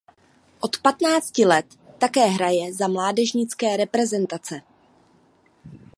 Od patnácti let také hraje za mládežnické reprezentace.